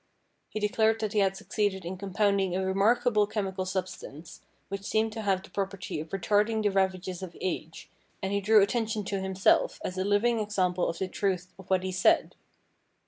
He declared that he had succeeded in compounding a remarkable chemical substance, which seemed to have the property of retarding the ravages of age, and he drew atten tion to himself as a living example of the truth of what he said.